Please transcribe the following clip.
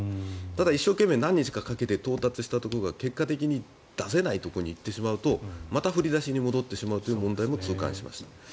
ただ、一生懸命何日かかけて到達したところが結果的に出せないところに行ってしまうとまた振り出しに戻ってしまうという問題も痛感しました。